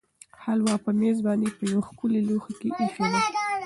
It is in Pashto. هلوا په مېز باندې په یوه ښکلي لوښي کې ایښې وه.